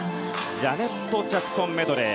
「ジャネット・ジャクソンメドレー」。